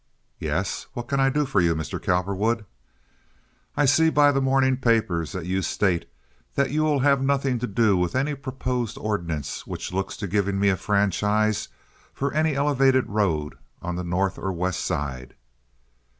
"Yes. What can I do for you, Mr. Cowperwood?" "I see by the morning papers that you state that you will have nothing to do with any proposed ordinance which looks to giving me a franchise for any elevated road on the North or West Side?"